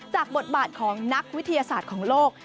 บทบาทของนักวิทยาศาสตร์ของโลก